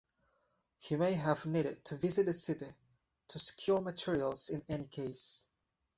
He may have needed to visit the city to secure materials in any case.